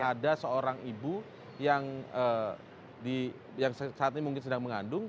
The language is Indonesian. ada seorang ibu yang saat ini mungkin sedang mengandung